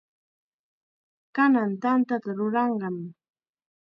Kanan tantata ruranqam.